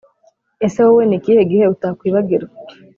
Ese wowe nikihe gihe utakwibagirwa